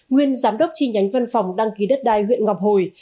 nguyên giám đốc chi nhánh văn phòng đăng ký đất đai huyện ngọc hồi